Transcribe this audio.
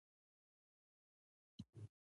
د هندارې په مخکې ولاړ وم.